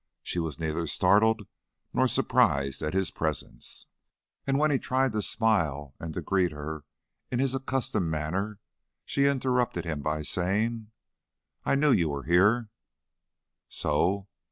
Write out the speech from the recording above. She was neither startled nor surprised at his presence, and when he tried to smile and to greet her in his accustomed manner, she interrupted him by saying: "I knew you were here." "So?